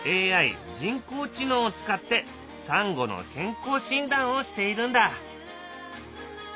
ＡＩ人工知能を使ってサンゴの健康診断をしているんだ。